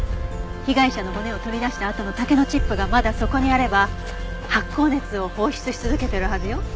被害者の骨を取り出したあとの竹のチップがまだそこにあれば発酵熱を放出し続けてるはずよ。